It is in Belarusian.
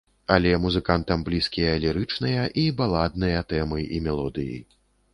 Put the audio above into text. Але музыкантам блізкія лірычныя і баладныя тэмы і мелодыі.